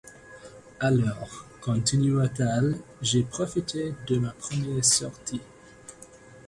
Alors, continua-t-elle, j'ai profité de ma première sortie.